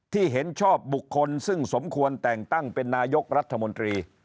เห็นชอบบุคคลซึ่งสมควรแต่งตั้งเป็นนายกรัฐมนตรี